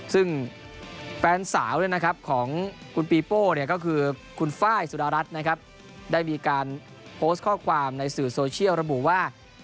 ซึ่งแฟนสาวของคุณปีโป้ก็คือคุณไฟล์สุดารัฐนะครับได้มีการโพสต์ข้อความในสื่อโซเชียลระบุว่า